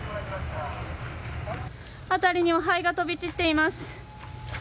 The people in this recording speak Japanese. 辺りには灰が飛び散っています。